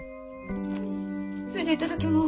それじゃあいただきます。